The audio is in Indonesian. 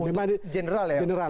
untuk general ya